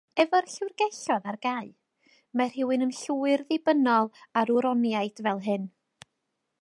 Efo'r llyfrgelloedd ar gau, mae rhywun yn llwyr ddibynnol ar wroniaid fel hyn.